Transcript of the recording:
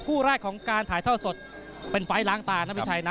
คู่แรกของการถ่ายท่อสดเป็นไฟล์ล้างตานะพี่ชัยนะ